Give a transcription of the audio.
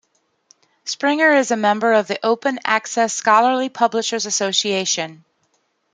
Springer is a member of the Open Access Scholarly Publishers Association.